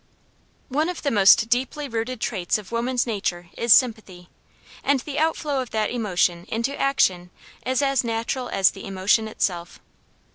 One of the most deeply rooted traits of woman's nature is sympathy, and the outflow of that emotion into action is as natural as the emotion itself.